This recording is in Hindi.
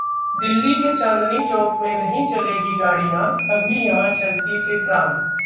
दिल्ली के चांदनी चौक में नहीं चलेंगी गाड़ियां, कभी यहां चलती थी ट्राम